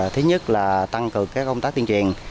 thứ nhất là tăng cường công tác tiên truyền